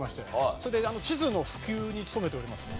それで地図の普及に努めております。